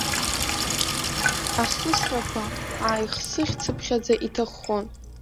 Ахысрақәа ааихсыӷьцыԥхьаӡа иҭаххон.